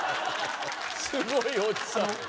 すごい叔父さん